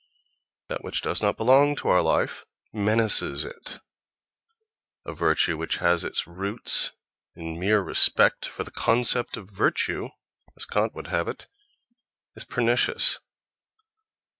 That which does not belong to our life menaces it; a virtue which has its roots in mere respect for the concept of "virtue," as Kant would have it, is pernicious.